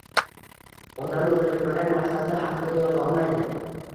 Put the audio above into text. Odam o‘zi bilmagan narsasi haqida yoza olmaydi.